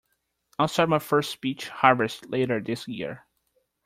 I'll start my first peach harvest later this year.